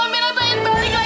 amira pengen tinggal sama ibu